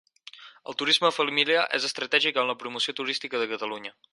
El turisme familiar és estratègic en la promoció turística de Catalunya.